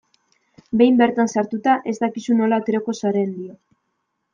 Behin bertan sartuta, ez dakizu nola aterako zaren, dio.